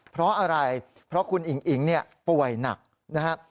เพราะอะไรเพราะคุณอิงป่วยหนักนะฮะ